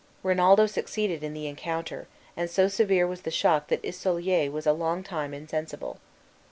Rinaldo succeeded in the encounter, and so severe was the shock that Isolier was a long time insensible.